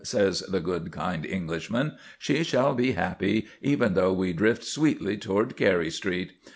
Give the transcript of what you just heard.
says the good, kind Englishman; "she shall be happy, even though we drift sweetly toward Carey Street.